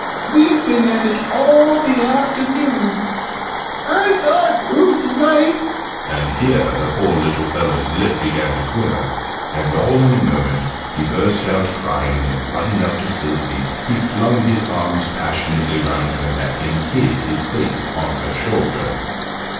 "We've been at it all the afternoon I thought oo'd like " and here the poor little fellow's lip began to quiver, and all in a moment he burst out crying, and running up to Sylvie he flung his arms passionately round her neck, and hid his face on her shoulder.